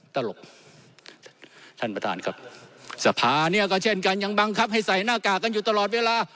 ตลกท่านประธานครับสภาเนี่ยก็เช่นกันยังบังคับให้ใส่หน้ากากกันอยู่ตลอดเวลา